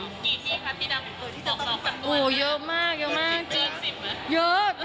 กี่ที่ค่ะที่ดำคุกเกิดที่ต่อจากตัวนั้น